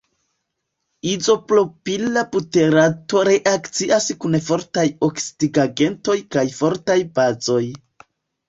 Izopropila buterato reakcias kun fortaj oksidigagentoj kaj fortaj bazoj.